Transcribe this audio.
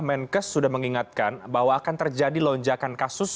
menkes sudah mengingatkan bahwa akan terjadi lonjakan kasus